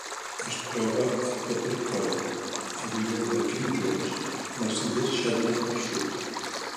Es troba a Potter Cove, a l'illa King George, a les illes Shetland del Sud.